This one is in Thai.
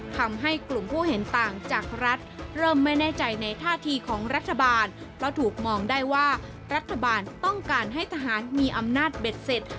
ทำให้กลุ่มผู้เห็นต่างจากรัฐเริ่มไม่แน่ใจในท่าทีของรัฐบาลเพราะถูกมองได้ว่ารัฐบาลต้องการให้ทหารมีอำนาจเบ็ดเสร็จ